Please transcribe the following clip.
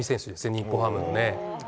前日本ハムのね。